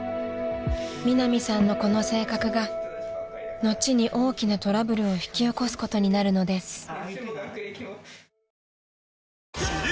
［ミナミさんのこの性格が後に大きなトラブルを引き起こすことになるのです］